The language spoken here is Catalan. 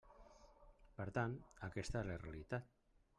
Per tant, aquesta és la realitat.